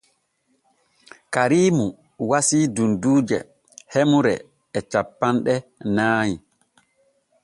Kariimu wasii dunduuje hemre e cappanɗe nay.